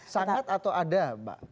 sangat atau ada mbak